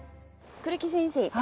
栗木先生